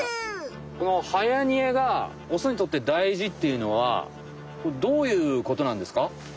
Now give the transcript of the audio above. はやにえがオスにとって大事っていうのはどういうことなんですか？